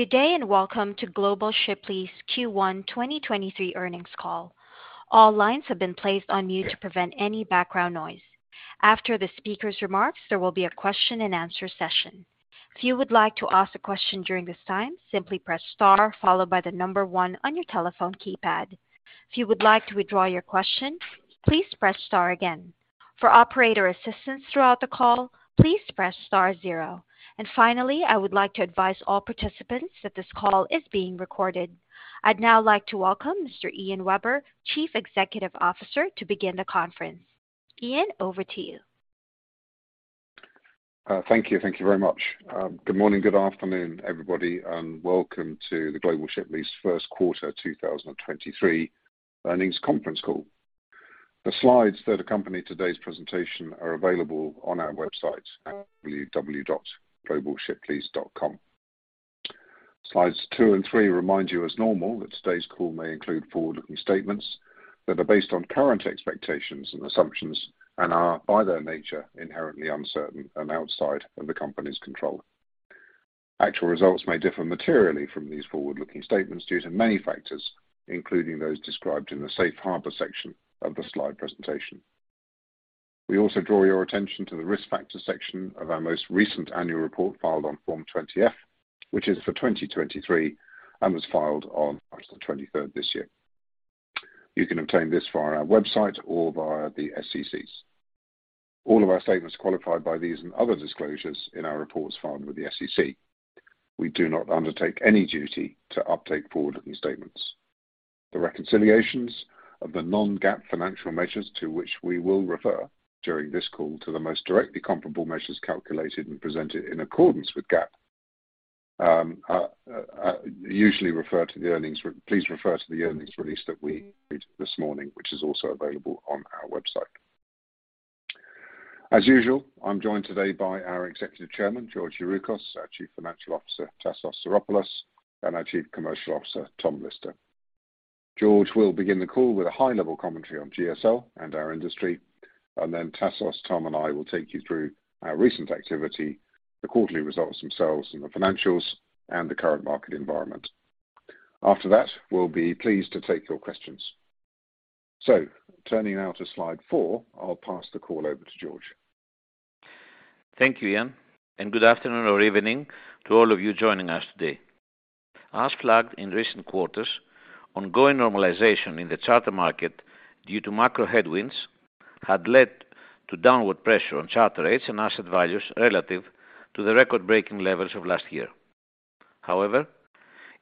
Good day, welcome to Global Ship Lease Q1 2023 Earnings Call. All lines have been placed on mute to prevent any background noise. After the speaker's remarks, there will be a question and answer session. If you would like to ask a question during this time, simply press star followed by one on your telephone keypad. If you would like to withdraw your question, please press star again. For operator assistance throughout the call, please press star zero. Finally, I would like to advise all participants that this call is being recorded. I'd now like to welcome Mr. Ian Webber, Chief Executive Officer, to begin the conference. Ian, over to you. Thank you. Thank you very much. Good morning, good afternoon, everybody. Welcome to the Global Ship Lease First Quarter 2023 Earnings Conference Call. The slides that accompany today's presentation are available on our website at www.globalshiplease.com. Slides two and three remind you as normal that today's call may include forward-looking statements that are based on current expectations and assumptions and are, by their nature, inherently uncertain and outside of the company's control. Actual results may differ materially from these forward-looking statements due to many factors, including those described in the Safe Harbor section of the slide presentation. We also draw your attention to the risk factor section of our most recent annual report filed on Form 20-F, which is for 2023 and was filed on March 23rd this year. You can obtain this via our website or via the SEC's. All of our statements qualified by these and other disclosures in our reports filed with the SEC. We do not undertake any duty to update forward-looking statements. The reconciliations of the non-GAAP financial measures to which we will refer during this call to the most directly comparable measures calculated and presented in accordance with GAAP are usually refer to the earnings. Please refer to the earnings release that we read this morning, which is also available on our website. As usual, I'm joined today by our Executive Chairman, George Youroukos, our Chief Financial Officer, Tassos Psaropoulos, and our Chief Commercial Officer, Tom Lister. George will begin the call with a high-level commentary on GSL and our industry, and then Tassos, Tom, and I will take you through our recent activity, the quarterly results themselves and the financials, and the current market environment. After that, we'll be pleased to take your questions. Turning now to slide four, I'll pass the call over to George. Thank you, Ian. Good afternoon or evening to all of you joining us today. As flagged in recent quarters, ongoing normalization in the charter market due to macro headwinds had led to downward pressure on charter rates and asset values relative to the record-breaking levels of last year. However,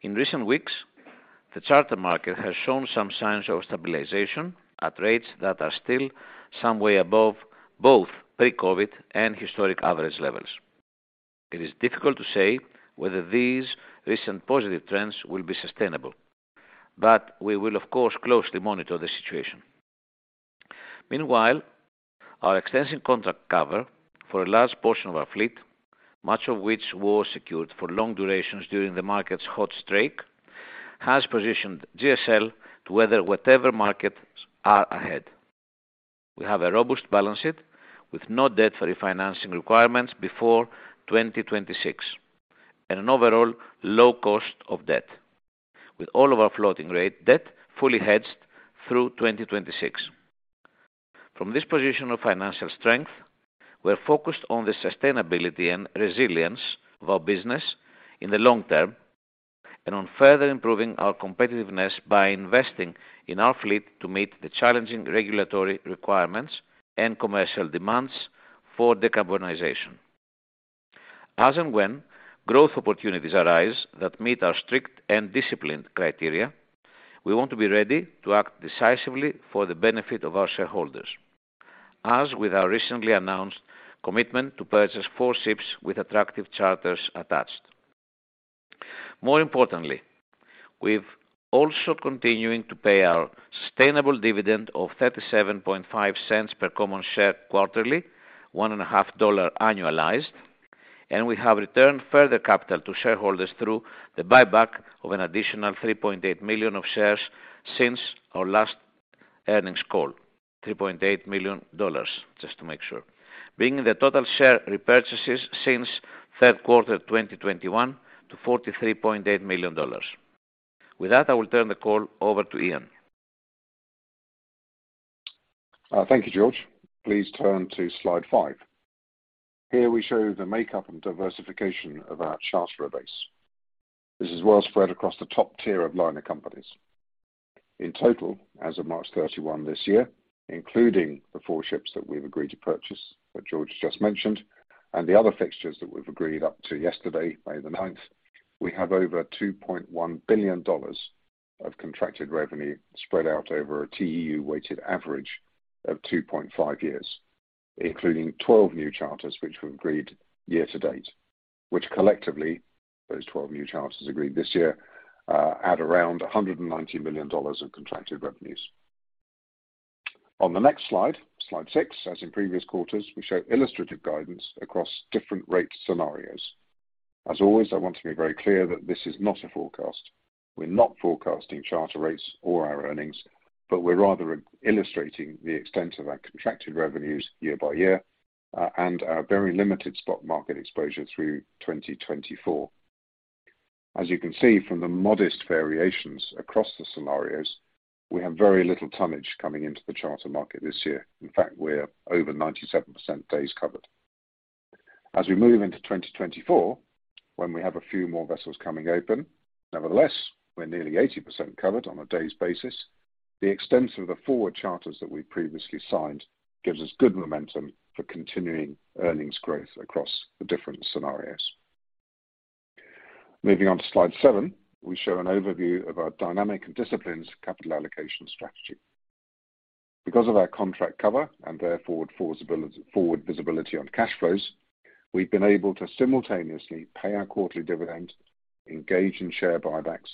in recent weeks, the charter market has shown some signs of stabilization at rates that are still some way above both pre-COVID and historic average levels. It is difficult to say whether these recent positive trends will be sustainable, but we will of course, closely monitor the situation. Meanwhile, our extensive contract cover for a large portion of our fleet, much of which was secured for long durations during the market's hot streak, has positioned GSL to weather whatever markets are ahead. We have a robust balance sheet with no debt for refinancing requirements before 2026 and an overall low cost of debt, with all of our floating rate debt fully hedged through 2026. From this position of financial strength, we're focused on the sustainability and resilience of our business in the long term and on further improving our competitiveness by investing in our fleet to meet the challenging regulatory requirements and commercial demands for decarbonization. As and when growth opportunities arise that meet our strict and disciplined criteria, we want to be ready to act decisively for the benefit of our shareholders, as with our recently announced commitment to purchase four ships with attractive charters attached. More importantly, we've also continuing to pay our sustainable dividend of $0.375 per common share quarterly, one and a half dollar annualized. We have returned further capital to shareholders through the buyback of an additional $3.8 million of shares since our last earnings call. $3.8 million, just to make sure. Bringing the total share repurchases since third quarter 2021 to $43.8 million. With that, I will turn the call over to Ian. Thank you, George. Please turn to Slide five. Here we show the makeup and diversification of our charter base. This is well spread across the top tier of liner companies. In total, as of March 31 this year, including the four ships that we've agreed to purchase that George just mentioned and the other fixtures that we've agreed up to yesterday, May 9, we have over $2.1 billion of contracted revenue spread out over a TEU weighted average of 2.5 years, including 12 new charters which we agreed year to date. Collectively, those 12 new charters agreed this year add around $190 million in contracted revenues. On the next slide, Slide six, as in previous quarters, we show illustrative guidance across different rate scenarios. As always, I want to be very clear that this is not a forecast. We're not forecasting charter rates or our earnings, but we're rather illustrating the extent of our contracted revenues year by year, and our very limited stock market exposure through 2024. As you can see from the modest variations across the scenarios, we have very little tonnage coming into the charter market this year. In fact, we're over 97% days covered. As we move into 2024, when we have a few more vessels coming open, nevertheless, we're nearly 80% covered on a days basis. The extent of the forward charters that we previously signed gives us good momentum for continuing earnings growth across the different scenarios. Moving on to slide seven, we show an overview of our dynamic and disciplined capital allocation strategy. Because of our contract cover and therefore forward visibility on cash flows, we've been able to simultaneously pay our quarterly dividend, engage in share buybacks,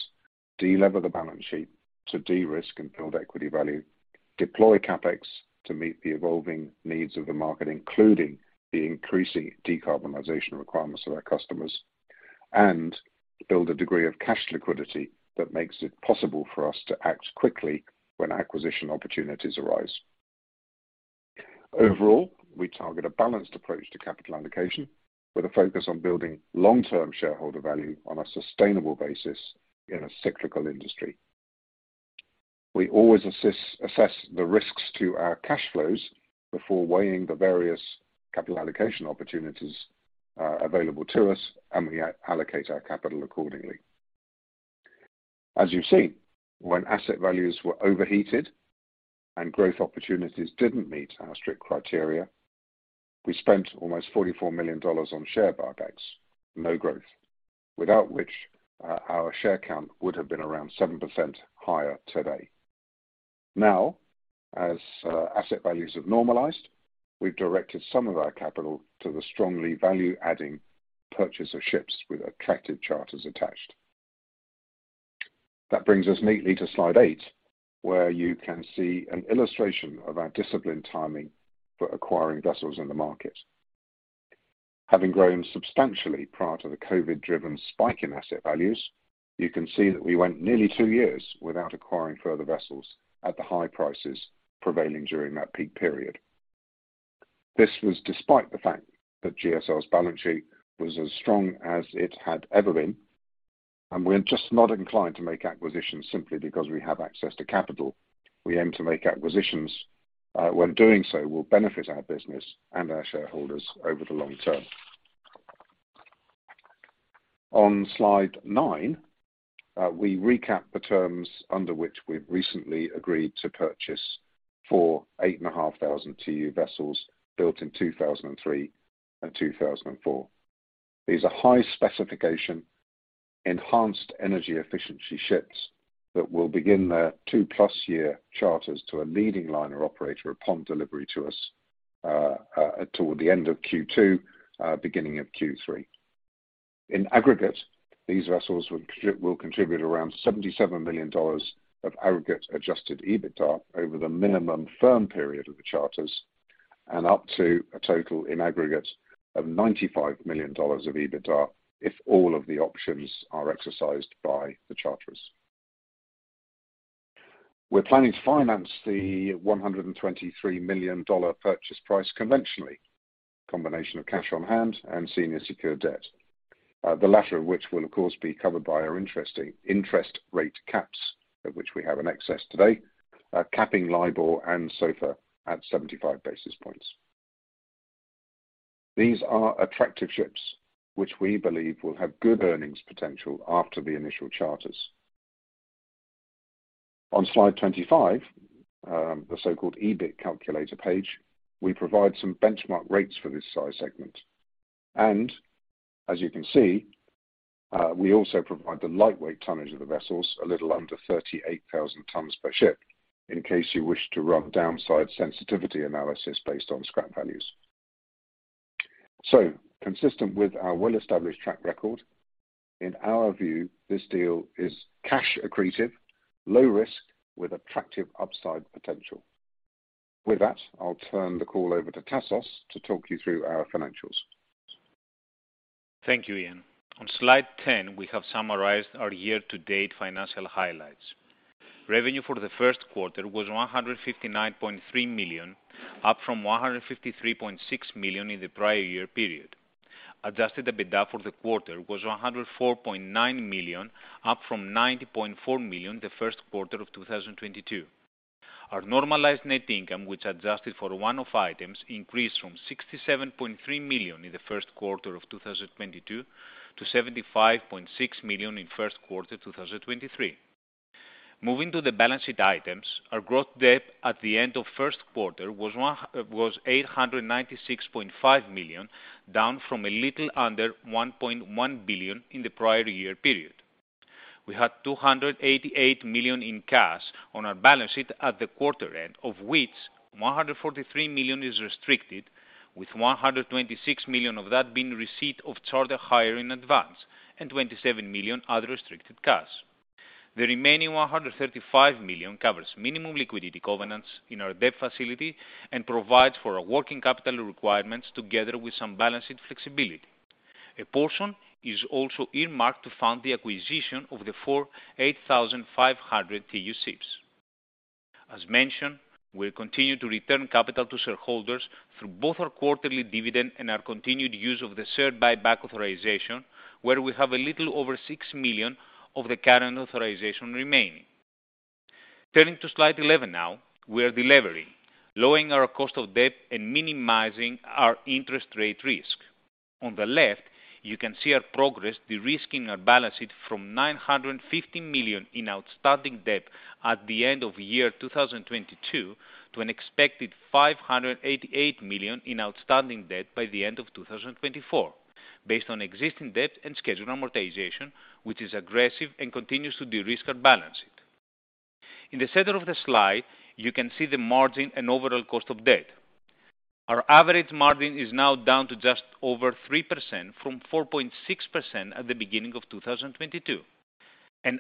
de-lever the balance sheet to de-risk and build equity value, deploy CapEx to meet the evolving needs of the market, including the increasing decarbonization requirements of our customers, and build a degree of cash liquidity that makes it possible for us to act quickly when acquisition opportunities arise. Overall, we target a balanced approach to capital allocation with a focus on building long-term shareholder value on a sustainable basis in a cyclical industry. We always assess the risks to our cash flows before weighing the various capital allocation opportunities available to us, and we allocate our capital accordingly. As you've seen, when asset values were overheated and growth opportunities didn't meet our strict criteria, we spent almost $44 million on share buybacks, no growth. Without which, our share count would have been around 7% higher today. As asset values have normalized, we've directed some of our capital to the strongly value-adding purchase of ships with attractive charters attached. Brings us neatly to slide eight, where you can see an illustration of our disciplined timing for acquiring vessels in the market. Having grown substantially prior to the COVID-driven spike in asset values, you can see that we went nearly two years without acquiring further vessels at the high prices prevailing during that peak period. This was despite the fact that GSL's balance sheet was as strong as it had ever been. We're just not inclined to make acquisitions simply because we have access to capital. We aim to make acquisitions when doing so will benefit our business and our shareholders over the long term. On slide nine, we recap the terms under which we've recently agreed to purchase four, 8,500 TEU vessels built in 2003 and 2004. These are high-specification, enhanced energy efficiency ships that will begin their 2+ year charters to a leading liner operator upon delivery to us toward the end of Q2, beginning of Q3. In aggregate, these vessels will contribute around $77 million of aggregate adjusted EBITDA over the minimum firm period of the charters and up to a total in aggregate of $95 million of EBITDA if all of the options are exercised by the charterers. We're planning to finance the $123 million purchase price conventionally, combination of cash on hand and senior secured debt. The latter of which will of course, be covered by our interesting interest rate caps, of which we have in excess today, capping LIBOR and SOFR at 75 basis points. These are attractive ships which we believe will have good earnings potential after the initial charters. On slide 25, the so-called EBITDA calculator page, we provide some benchmark rates for this size segment. As you can see, we also provide the lightweight tonnage of the vessels a little under 38,000 tons per ship in case you wish to run downside sensitivity analysis based on scrap values. Consistent with our well-established track record, in our view, this deal is cash accretive, low risk with attractive upside potential. With that, I'll turn the call over to Tassos to talk you through our financials. Thank you, Ian. On slide 10, we have summarized our year-to-date financial highlights. Revenue for the first quarter was $159.3 million, up from $153.6 million in the prior year period. Adjusted EBITDA for the quarter was $104.9 million, up from $90.4 million the first quarter of 2022. Our normalized net income, which adjusted for one-off items, increased from $67.3 million in the first quarter of 2022 to $75.6 million in first quarter 2023. Moving to the balance sheet items, our growth debt at the end of first quarter was $896.5 million, down from a little under $1.1 billion in the prior year period. We had $288 million in cash on our balance sheet at the quarter end, of which $143 million is restricted with $126 million of that being receipt of charter hire in advance and $27 million other restricted cash. The remaining $135 million covers minimum liquidity covenants in our debt facility and provides for our working capital requirements together with some balance sheet flexibility. A portion is also earmarked to fund the acquisition of the four 8,500 TEU ships. As mentioned, we'll continue to return capital to shareholders through both our quarterly dividend and our continued use of the share buyback authorization, where we have a little over $6 million of the current authorization remaining. Turning to slide 11 now, we are delivering, lowering our cost of debt and minimizing our interest rate risk. On the left, you can see our progress de-risking our balance sheet from $950 million in outstanding debt at the end of 2022 to an expected $588 million in outstanding debt by the end of 2024, based on existing debt and scheduled amortization, which is aggressive and continues to de-risk our balance sheet. In the center of the slide, you can see the margin and overall cost of debt. Our average margin is now down to just over 3% from 4.6% at the beginning of 2022.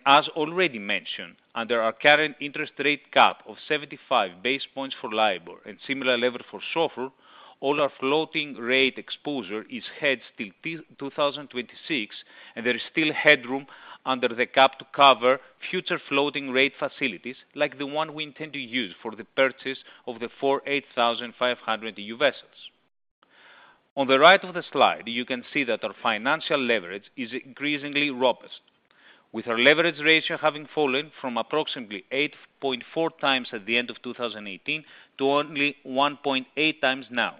As already mentioned, under our current interest rate cap of 75 basis points for LIBOR and similar level for SOFR, all our floating rate exposure is hedged till 2026, and there is still headroom under the cap to cover future floating rate facilities like the one we intend to use for the purchase of the four 8,500 TEU vessels. On the right of the slide, you can see that our financial leverage is increasingly robust, with our leverage ratio having fallen from approximately 8.4 times at the end of 2018 to only 1.8 times now.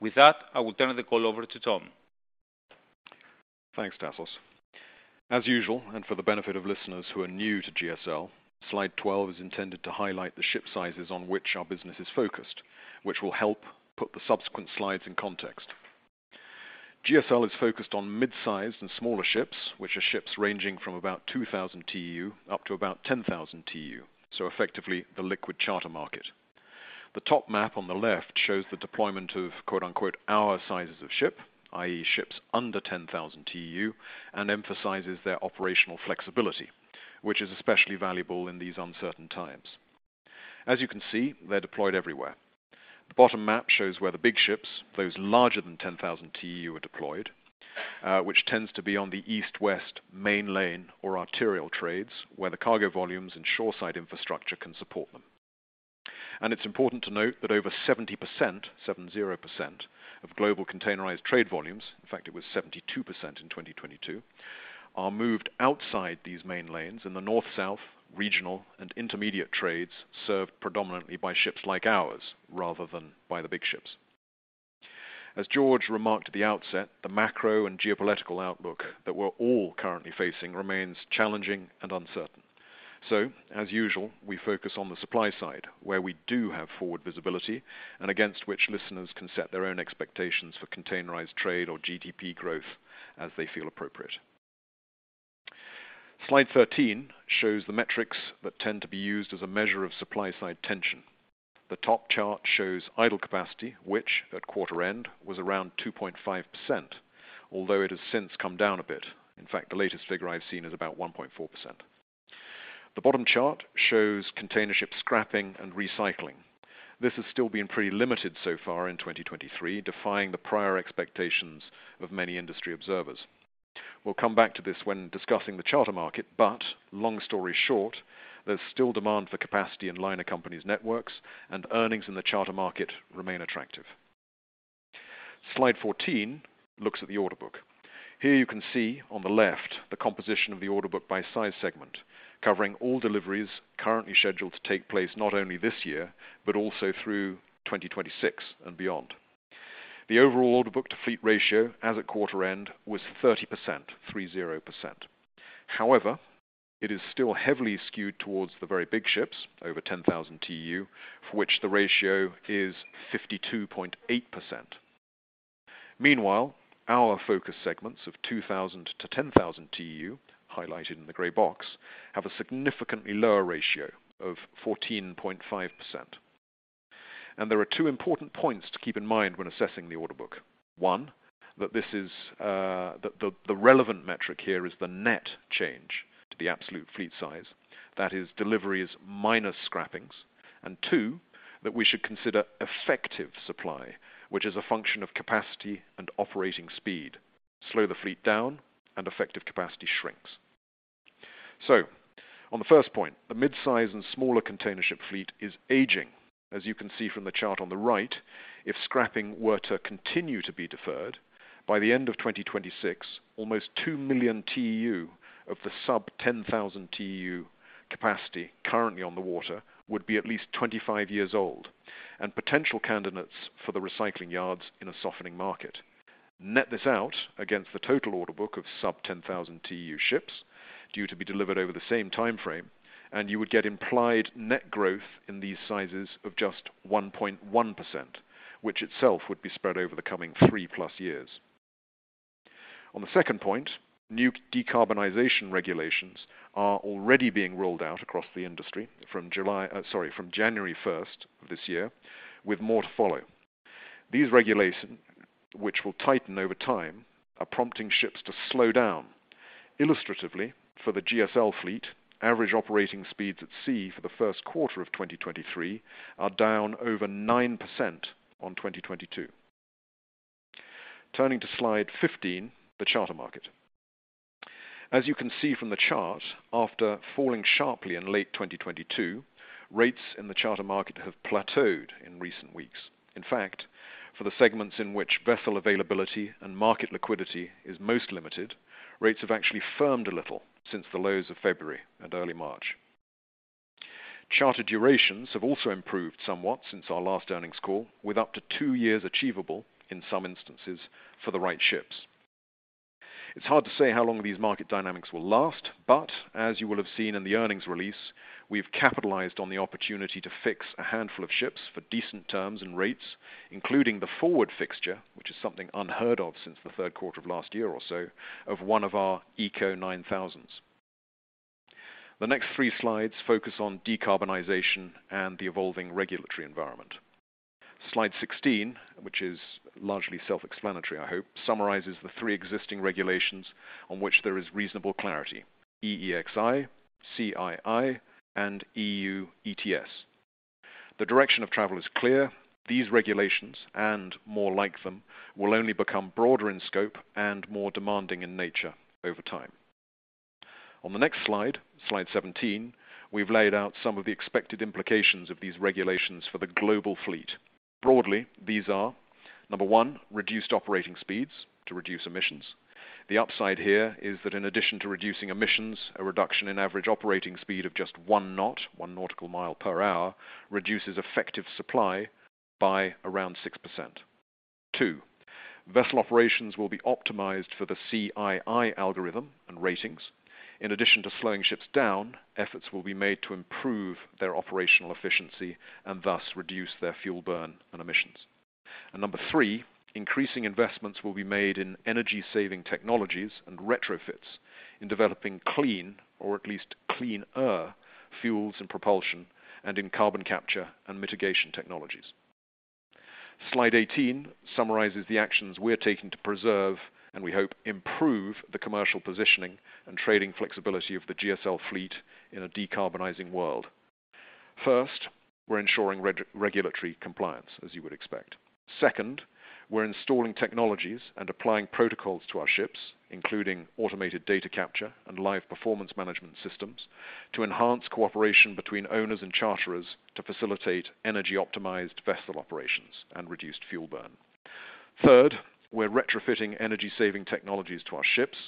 With that, I will turn the call over to Tom. Thanks, Tassos. As usual, for the benefit of listeners who are new to GSL, slide 12 is intended to highlight the ship sizes on which our business is focused, which will help put the subsequent slides in context. GSL is focused on mid-sized and smaller ships, which are ships ranging from about 2,000 TEU up to about 10,000 TEU, so effectively the liquid charter market. The top map on the left shows the deployment of quote-unquote, our sizes of ship, i.e., ships under 10,000 TEU, and emphasizes their operational flexibility, which is especially valuable in these uncertain times. As you can see, they're deployed everywhere. The bottom map shows where the big ships, those larger than 10,000 TEU, are deployed, which tends to be on the east-west main lane or arterial trades, where the cargo volumes and shoreside infrastructure can support them. It's important to note that over 70%, 70%, of global containerized trade volumes, in fact it was 72% in 2022, are moved outside these main lanes in the north-south regional and intermediate trades served predominantly by ships like ours rather than by the big ships. As George remarked at the outset, the macro and geopolitical outlook that we're all currently facing remains challenging and uncertain. As usual, we focus on the supply side, where we do have forward visibility and against which listeners can set their own expectations for containerized trade or GDP growth as they feel appropriate. Slide 13 shows the metrics that tend to be used as a measure of supply-side tension. The top chart shows idle capacity, which at quarter end was around 2.5%, although it has since come down a bit. In fact, the latest figure I've seen is about 1.4%. The bottom chart shows container ship scrapping and recycling. This has still been pretty limited so far in 2023, defying the prior expectations of many industry observers. We'll come back to this when discussing the charter market, Long story short, there's still demand for capacity in liner companies' networks and earnings in the charter market remain attractive. Slide 14 looks at the order book. Here you can see on the left the composition of the order book by size segment, covering all deliveries currently scheduled to take place not only this year, but also through 2026 and beyond. The overall order book to fleet ratio as at quarter end was 30%, 30%. However, it is still heavily skewed towards the very big ships, over 10,000 TEU, for which the ratio is 52.8%. Meanwhile, our focus segments of 2,000-10,000 TEU, highlighted in the gray box, have a significantly lower ratio of 14.5%. There are two important points to keep in mind when assessing the order book. One, that this is the relevant metric here is the net change to the absolute fleet size. That is deliveries minus scrappings. Two, that we should consider effective supply, which is a function of capacity and operating speed. Slow the fleet down and effective capacity shrinks. On the first point, the mid-size and smaller container ship fleet is aging. As you can see from the chart on the right, if scrapping were to continue to be deferred, by the end of 2026, almost 2 million TEU of the sub 10,000 TEU capacity currently on the water would be at least 25 years old and potential candidates for the recycling yards in a softening market. Net this out against the total order book of sub 10,000 TEU ships due to be delivered over the same time frame, and you would get implied net growth in these sizes of just 1.1%, which itself would be spread over the coming 3+ years. On the second point, new decarbonization regulations are already being rolled out across the industry from July, sorry, from January 1st this year, with more to follow. These regulations, which will tighten over time, are prompting ships to slow down. Illustratively, for the GSL fleet, average operating speeds at sea for the first quarter of 2023 are down over 9% on 2022. Turning to slide 15, the charter market. As you can see from the chart, after falling sharply in late 2022, rates in the charter market have plateaued in recent weeks. In fact, for the segments in which vessel availability and market liquidity is most limited, rates have actually firmed a little since the lows of February and early March. Charter durations have also improved somewhat since our last earnings call, with up to two years achievable in some instances for the right ships. It's hard to say how long these market dynamics will last, but as you will have seen in the earnings release, we've capitalized on the opportunity to fix a handful of ships for decent terms and rates, including the forward fixture, which is something unheard of since the 3rd quarter of last year or so of one of our ECO 9,000s. The next three slides focus on decarbonization and the evolving regulatory environment. Slide 16, which is largely self-explanatory I hope, summarizes the three existing regulations on which there is reasonable clarity, EEXI, CII, and EU ETS. The direction of travel is clear. These regulations and more like them, will only become broader in scope and more demanding in nature over time. On the next slide 17, we've laid out some of the expected implications of these regulations for the global fleet. Broadly, these are, number one, reduced operating speeds to reduce emissions. The upside here is that in addition to reducing emissions, a reduction in average operating speed of just 1 knot, 1 nautical mile per hour, reduces effective supply by around 6%. Two, vessel operations will be optimized for the CII algorithm and ratings. In addition to slowing ships down, efforts will be made to improve their operational efficiency and thus reduce their fuel burn and emissions. Number three, increasing investments will be made in energy-saving technologies and retrofits in developing clean or at least cleaner fuels and propulsion, and in carbon capture and mitigation technologies. Slide 18 summarizes the actions we're taking to preserve, and we hope improve the commercial positioning and trading flexibility of the GSL fleet in a decarbonizing world. First, we're ensuring regulatory compliance, as you would expect. Second, we're installing technologies and applying protocols to our ships, including automated data capture and live performance management systems, to enhance cooperation between owners and charterers to facilitate energy-optimized vessel operations and reduced fuel burn. Third, we're retrofitting energy-saving technologies to our ships,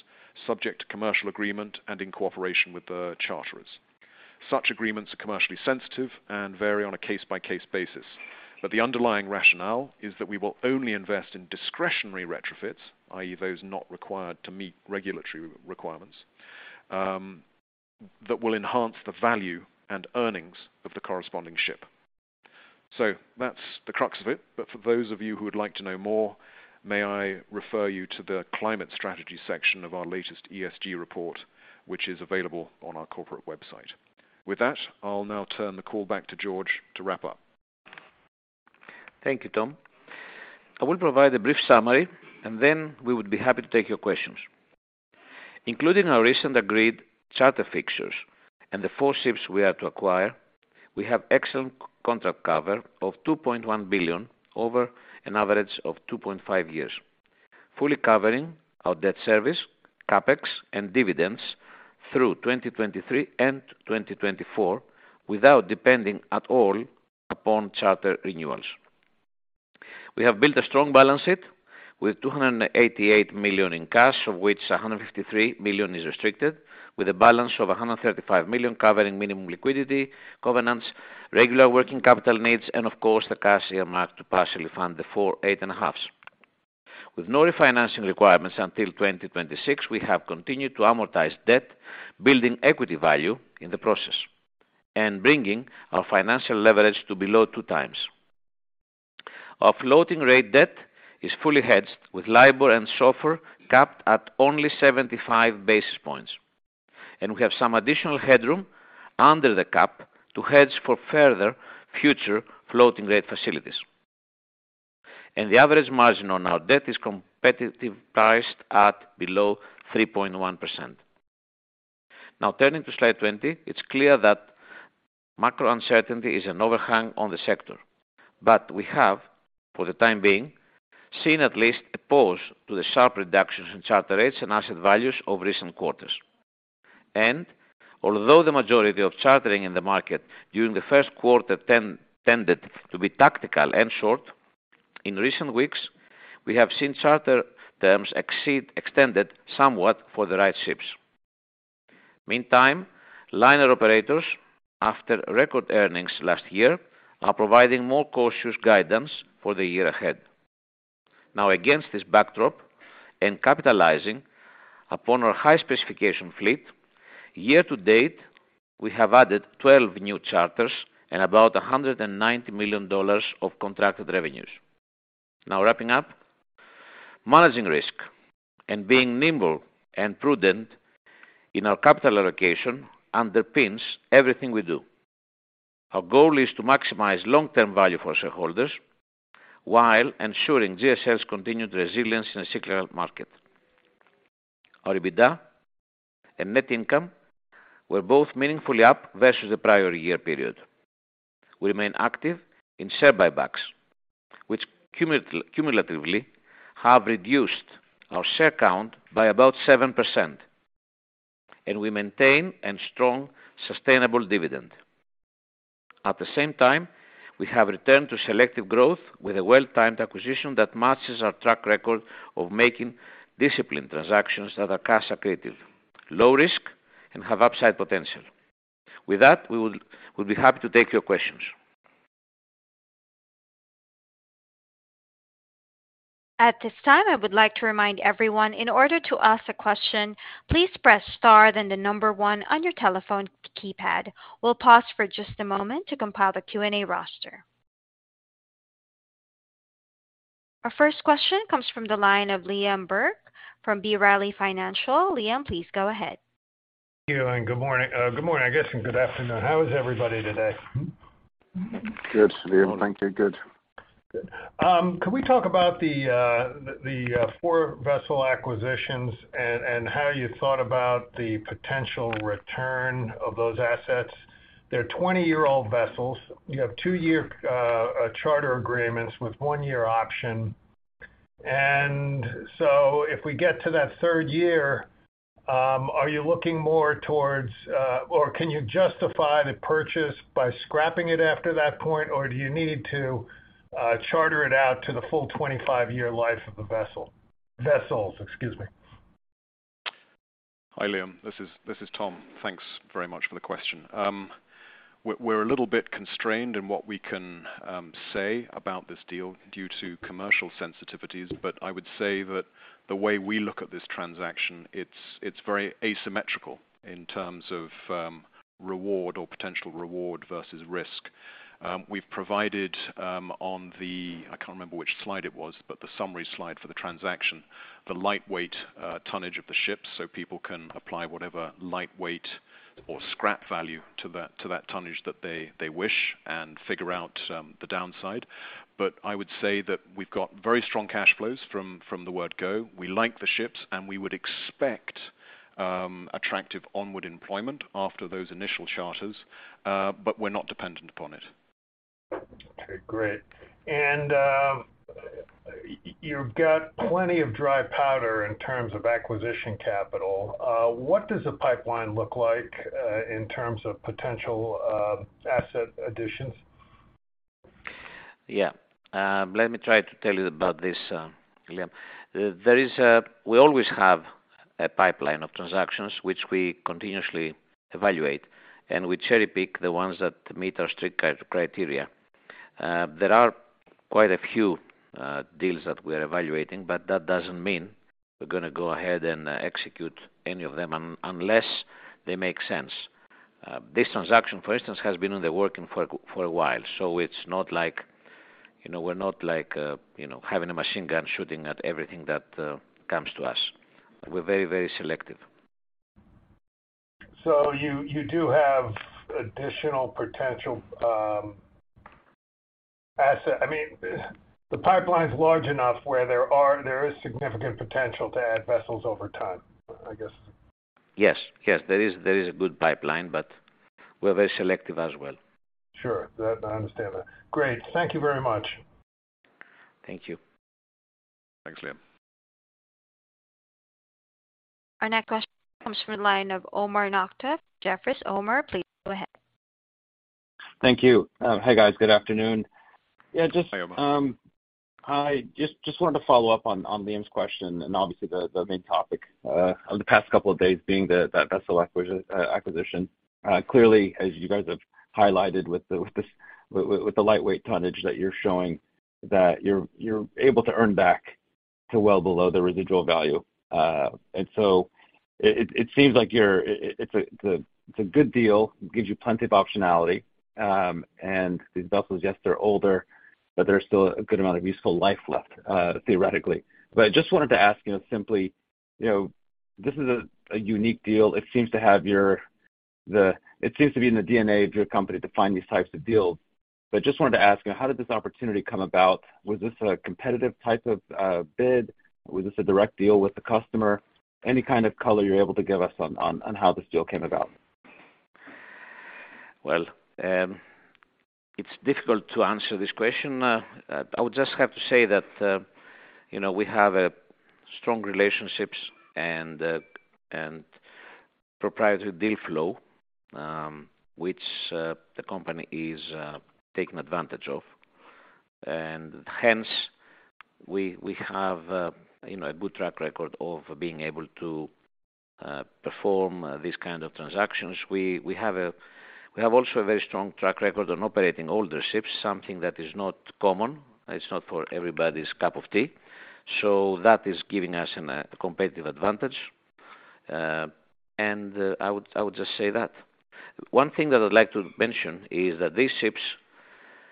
subject to commercial agreement and in cooperation with the charterers. Such agreements are commercially sensitive and vary on a case-by-case basis. The underlying rationale is that we will only invest in discretionary retrofits, i.e. those not required to meet regulatory requirements, that will enhance the value and earnings of the corresponding ship. That's the crux of it. For those of you who would like to know more, may I refer you to the climate strategy section of our latest ESG Report, which is available on our corporate website. With that, I'll now turn the call back to George to wrap up. Thank you, Tom. I will provide a brief summary, and then we would be happy to take your questions. Including our recent agreed charter fixtures and the four ships we are to acquire, we have excellent contract cover of $2.1 billion over an average of 2.5 years, fully covering our debt service, CapEx, and dividends through 2023 and 2024 without depending at all upon charter renewals. We have built a strong balance sheet with $288 million in cash, of which $153 million is restricted with a balance of $135 million covering minimum liquidity, covenants, regular working capital needs and of course, the cash earmarked to partially fund the four 8.5s. With no refinancing requirements until 2026, we have continued to amortize debt, building equity value in the process and bringing our financial leverage to below two times. Our floating rate debt is fully hedged with LIBOR and SOFR capped at only 75 basis points. We have some additional headroom under the cap to hedge for further future floating rate facilities. The average margin on our debt is competitive priced at below 3.1%. Now turning to slide 20, it's clear that macro uncertainty is an overhang on the sector. We have, for the time being, seen at least a pause to the sharp reductions in charter rates and asset values of recent quarters. Although the majority of chartering in the market during the first quarter tended to be tactical and short, in recent weeks, we have seen charter terms exceed extended somewhat for the right ships. Meantime, liner operators after record earnings last year are providing more cautious guidance for the year ahead. Against this backdrop and capitalizing upon our high specification fleet, year to date, we have added 12 new charters and about $190 million of contracted revenues. Wrapping up, managing risk and being nimble and prudent in our capital allocation underpins everything we do. Our goal is to maximize long-term value for shareholders while ensuring GSL's continued resilience in a cyclical market. Our EBITDA and net income were both meaningfully up versus the prior year period. We remain active in share buybacks, which cumulatively have reduced our share count by about 7%, and we maintain a strong, sustainable dividend. At the same time, we have returned to selective growth with a well-timed acquisition that matches our track record of making disciplined transactions that are cash accretive, low risk, and have upside potential. With that, we'll be happy to take your questions. At this time, I would like to remind everyone in order to ask a question, please press star then the number one on your telephone keypad. We'll pause for just a moment to compile the Q&A roster. Our first question comes from the line of Liam Burke from B. Riley Financial. Liam, please go ahead. Thank you, and good morning. Good morning, I guess, and good afternoon. How is everybody today? Good, Liam. Thank you. Good. Good. Can we talk about the four vessel acquisitions and how you thought about the potential return of those assets? They're 20-year-old vessels. You have two-year charter agreements with one-year option. If we get to that third year, are you looking more towards or can you justify the purchase by scrapping it after that point, or do you need to charter it out to the full 25-year life of the vessels, excuse me? Hi, Liam. This is Tom. Thanks very much for the question. We're a little bit constrained in what we can say about this deal due to commercial sensitivities, but I would say that the way we look at this transaction, it's very asymmetrical in terms of reward or potential reward versus risk. We've provided on the... I can't remember which slide it was, but the summary slide for the transaction, the lightweight tonnage of the ships so people can apply whatever lightweight or scrap value to that tonnage that they wish and figure out the downside. I would say that we've got very strong cash flows from the word go. We like the ships, and we would expect attractive onward employment after those initial charters, but we're not dependent upon it. Okay, great. You've got plenty of dry powder in terms of acquisition capital. What does the pipeline look like in terms of potential asset additions? Yeah. Let me try to tell you about this, Liam. We always have a pipeline of transactions which we continuously evaluate, and we cherry-pick the ones that meet our strict criteria. There are quite a few deals that we are evaluating, but that doesn't mean we're gonna go ahead and execute any of them unless they make sense. This transaction, for instance, has been in the working for a while, so it's not like, you know, we're not like, you know, having a machine gun shooting at everything that comes to us. We're very selective. You do have additional potential. I mean, the pipeline's large enough where there is significant potential to add vessels over time, I guess. Yes. Yes. There is a good pipeline. We're very selective as well. Sure. I understand that. Great. Thank you very much. Thank you. Thanks, Liam. Our next question comes from the line of Omar Nokta, Jefferies. Omar, please go ahead. Thank you. hey, guys. Good afternoon. just. Hi, Omar. I just wanted to follow up on Liam's question and obviously the main topic of the past couple of days being the that vessel acquisition. Clearly, as you guys have highlighted with the, with this, with the lightweight tonnage that you're showing that you're able to earn back to well below the residual value. It seems like you're, it's a good deal. It gives you plenty of optionality. These vessels, yes, they're older, but there's still a good amount of useful life left theoretically. I just wanted to ask, you know, simply, you know, this is a unique deal. It seems to be in the DNA of your company to find these types of deals. Just wanted to ask, how did this opportunity come about? Was this a competitive type of bid? Was this a direct deal with the customer? Any kind of color you're able to give us on how this deal came about? It's difficult to answer this question. I would just have to say that, you know, we have strong relationships and proprietary deal flow, which the company is taking advantage of. Hence, we have, you know, a good track record of being able to perform these kind of transactions. We have also a very strong track record on operating older ships, something that is not common. It's not for everybody's cup of tea. That is giving us an, a competitive advantage. I would just say that. One thing that I'd like to mention is that these ships,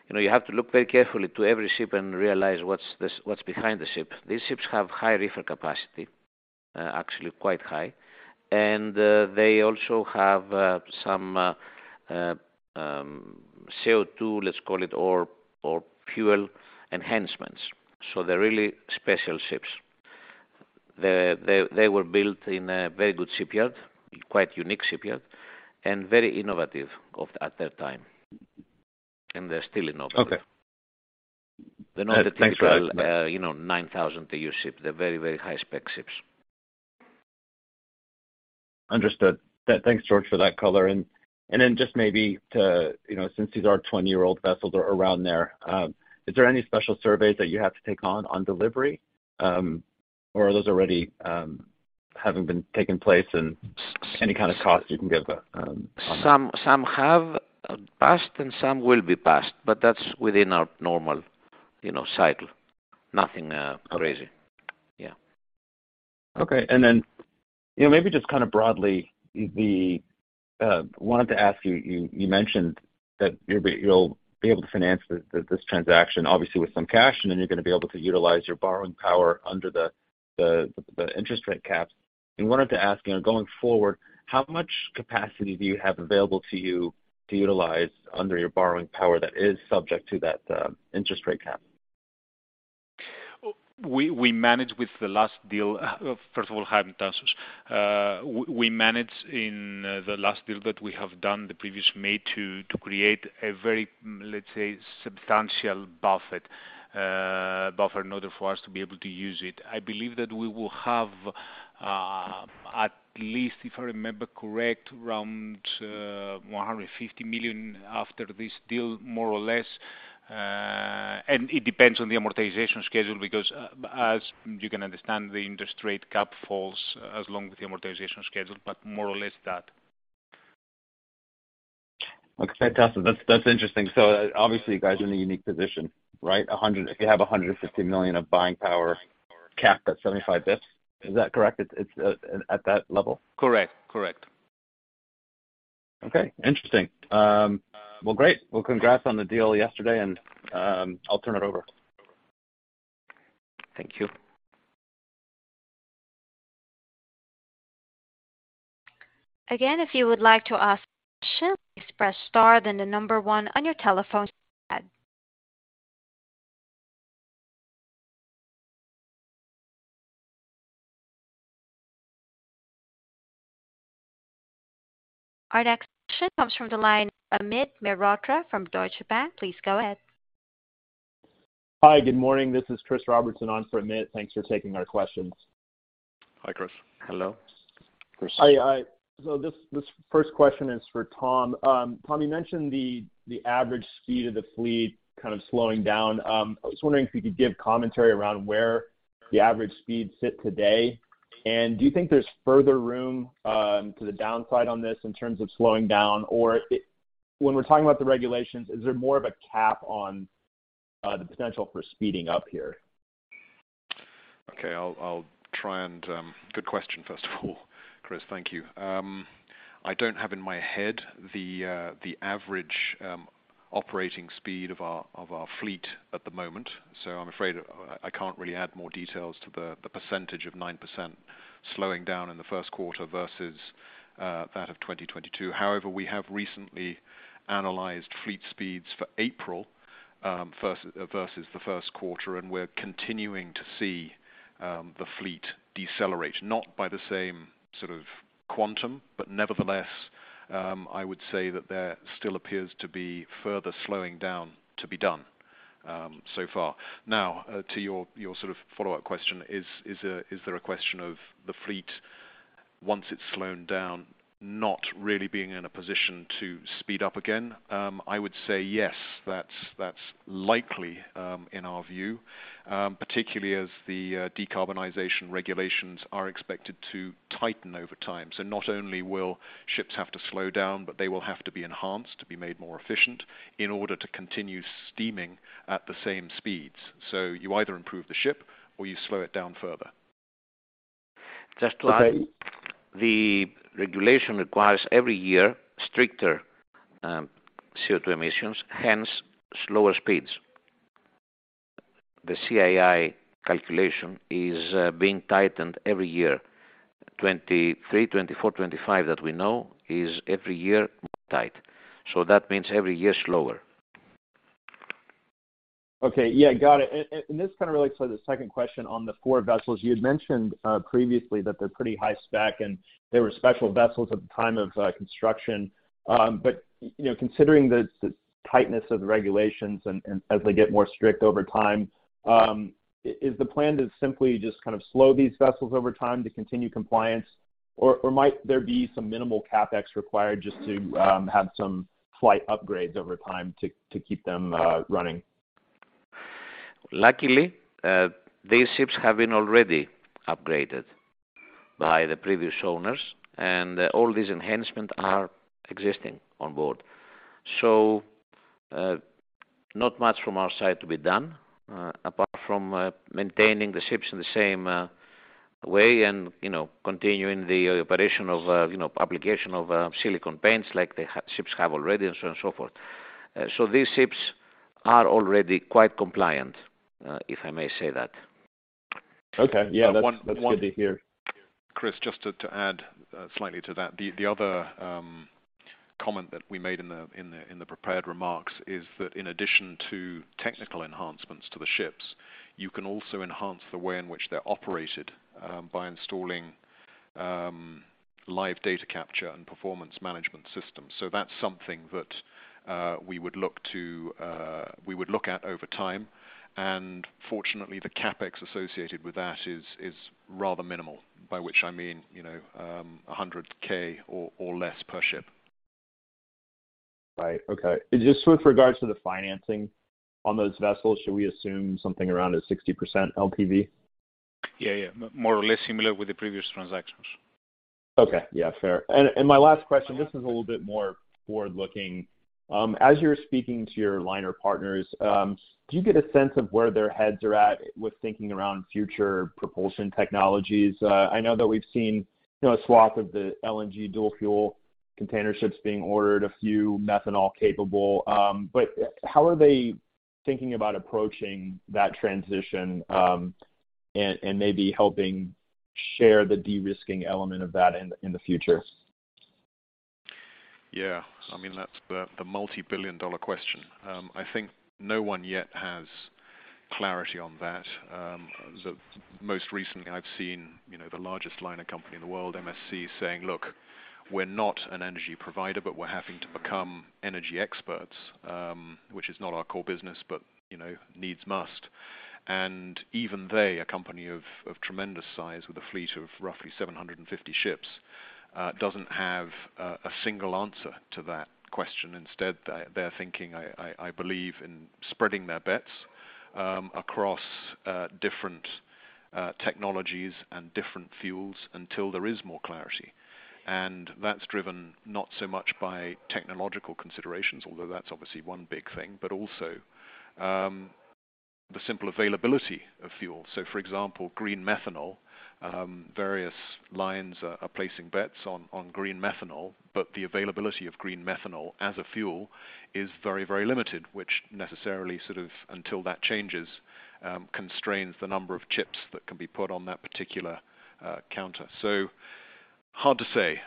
you know, you have to look very carefully to every ship and realize what's behind the ship. These ships have high reefer capacity, actually quite high. They also have some CO2, let's call it, or fuel enhancements. They're really special ships. They were built in a very good shipyard, quite unique shipyard, and very innovative at that time. They're still innovative. Okay. They're not the typical- Thanks, George. You know, 9,000 TEU ship. They're very, very high spec ships. Understood. Thanks, George, for that color. Then just maybe to, you know, since these are 20-year-old vessels or around there, is there any special surveys that you have to take on on delivery? Or are those already having been taking place in any kind of cost you can give on that? Some have passed and some will be passed, but that's within our normal, you know, cycle. Nothing, crazy. Yeah. Okay. Then, you know, maybe just kinda broadly, wanted to ask you mentioned that you'll be able to finance this transaction obviously with some cash, and then you're gonna be able to utilize your borrowing power under the interest rate caps. Wanted to ask, you know, going forward, how much capacity do you have available to you to utilize under your borrowing power that is subject to that interest rate cap? We managed with the last deal. First of all, hi, I'm Tassos. We managed in the last deal that we have done the previous May to create a very, let's say, substantial buffet, buffer in order for us to be able to use it. I believe that we will have at least, if I remember correct, around $150 million after this deal, more or less. It depends on the amortization schedule, because as you can understand, the interest rate cap falls as long with the amortization schedule, but more or less that. Fantastic. That's interesting. Obviously, you guys are in a unique position, right? If you have $150 million of buying power capped at 75 basis points. Is that correct? It's at that level? Correct. Correct. Okay. Interesting. Well, great. Well, congrats on the deal yesterday. I'll turn it over. Thank you. If you would like to ask a question, press Star, then the one on your telephone keypad. Our next question comes from the line of Amit Mehrotra from Deutsche Bank. Please go ahead. Hi. Good morning. This is Chris Robertson on for Amit. Thanks for taking our questions. Hi, Chris. Hello, Chris. Hi. This first question is for Tom. Tom, you mentioned the average speed of the fleet kind of slowing down. I was wondering if you could give commentary around where the average speed sit today. Do you think there's further room to the downside on this in terms of slowing down? Or when we're talking about the regulations, is there more of a cap on the potential for speeding up here? Okay. I'll try. Good question, first of all, Chris. Thank you. I don't have in my head the average operating speed of our fleet at the moment, so I'm afraid I can't really add more details to the percentage of 9% slowing down in the first quarter versus that of 2022. However, we have recently analyzed fleet speeds for April versus the first quarter, and we're continuing to see the fleet decelerate, not by the same sort of quantum, but nevertheless, I would say that there still appears to be further slowing down to be done so far. Now, to your sort of follow-up question, is there a question of the fleet once it's slowed down, not really being in a position to speed up again? I would say yes, that's likely, in our view, particularly as the decarbonization regulations are expected to tighten over time. Not only will ships have to slow down, but they will have to be enhanced to be made more efficient in order to continue steaming at the same speeds. You either improve the ship or you slow it down further. Just to. Okay. The regulation requires every year stricter, CO2 emissions, hence slower speeds. The CII calculation is being tightened every year. 2023, 2024, 2025 that we know is every year more tight. That means every year slower. Okay. Yeah, got it. This kinda relates to the second question on the four vessels. You had mentioned previously that they're pretty high spec, and they were special vessels at the time of construction. You know, considering the tightness of the regulations and as they get more strict over time, is the plan to simply just kind of slow these vessels over time to continue compliance? Or might there be some minimal CapEx required just to have some slight upgrades over time to keep them running? Luckily, these ships have been already upgraded by the previous owners, and all these enhancements are existing on board. Not much from our side to be done, apart from maintaining the ships in the same way and, you know, continuing the operation of, you know, application of silicone paints like the ships have already and so on and so forth. These ships are already quite compliant, if I may say that. Okay. Yeah, that's good to hear. Chris, just to add slightly to that. The other comment that we made in the prepared remarks is that in addition to technical enhancements to the ships, you can also enhance the way in which they're operated by installing live data capture and performance management systems. That's something that we would look at over time. Fortunately, the CapEx associated with that is rather minimal, by which I mean, you know, $100k or less per ship. Right. Okay. Just with regards to the financing on those vessels, should we assume something around a 60% LTV? Yeah. More or less similar with the previous transactions. Okay. Yeah, fair. My last question, this is a little bit more forward-looking. As you're speaking to your liner partners, do you get a sense of where their heads are at with thinking around future propulsion technologies? I know that we've seen, you know, a swath of the LNG dual-fuel container ships being ordered, a few methanol capable. How are they thinking about approaching that transition, and maybe helping share the de-risking element of that in the future? Yeah. I mean, that's the multi-billion dollar question. I think no one yet has clarity on that. The most recently I've seen, you know, the largest liner company in the world, MSC, saying, "Look, we're not an energy provider, but we're having to become energy experts, which is not our core business, but, you know, needs must." Even they, a company of tremendous size with a fleet of roughly 750 ships, doesn't have a single answer to that question. Instead, they're thinking, I believe, in spreading their bets, across different technologies and different fuels until there is more clarity. That's driven not so much by technological considerations, although that's obviously one big thing, but also, the simple availability of fuel. For example, green methanol, various lines are placing bets on green methanol, but the availability of green methanol as a fuel is very, very limited, which necessarily sort of, until that changes, constrains the number of ships that can be put on that particular counter. Hard to say.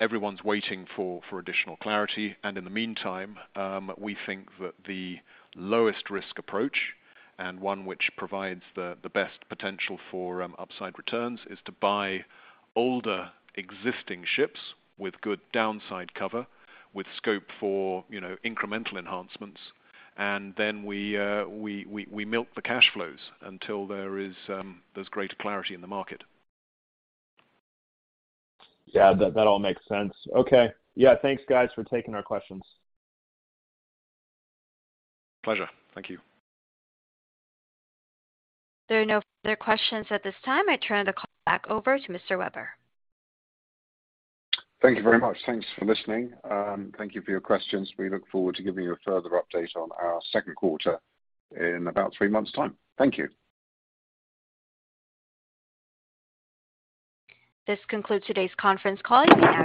Everyone's waiting for additional clarity. In the meantime, we think that the lowest risk approach, and one which provides the best potential for upside returns, is to buy older existing ships with good downside cover, with scope for, you know, incremental enhancements. Then we milk the cash flows until there is greater clarity in the market. Yeah, that all makes sense. Okay. Yeah. Thanks, guys, for taking our questions. Pleasure. Thank you. There are no further questions at this time. I turn the call back over to Mr. Webber. Thank you very much. Thanks for listening. Thank you for your questions. We look forward to giving you a further update on our second quarter in about three months' time. Thank you. This concludes today's conference call. You may now.